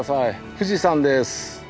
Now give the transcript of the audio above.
富士山です。